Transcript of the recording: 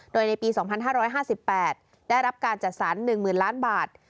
โดยในปี๒๕๕๘ได้รับการจัดสรร๑๐๐๐ล้านบาท